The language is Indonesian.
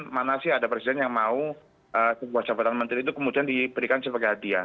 karena ada presiden yang mau kebuah jabatan menteri itu kemudian diberikan sebagai hadiah